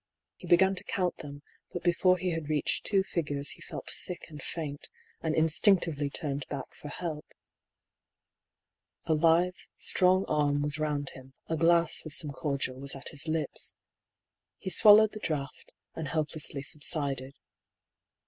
He began to count them, but before he had reached two figures he felt sick and faint, and instinc tively turned back for help. A lithe strong arm was round him, a glass with some cordial was at his lips. He swallowed the draught, and helplessly subsided.